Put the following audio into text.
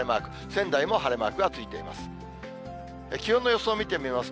仙台も晴れマークがついています。